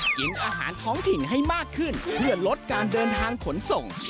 กินอาหารท้องถิ่นให้มากขึ้นเพื่อลดการเดินทางขนส่ง